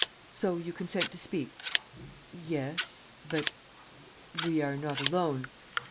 "So you consent to speak?" "Yes ... but ... we are not alone."